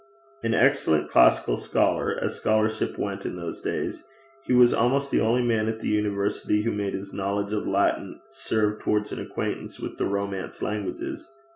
An excellent classical scholar as scholarship went in those days he was almost the only man in the university who made his knowledge of Latin serve towards an acquaintance with the Romance languages.